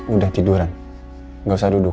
udah tiduran nggak usah duduk